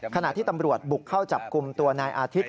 ขณะที่ตำรวจบุกเข้าจับกลุ่มตัวนายอาทิตย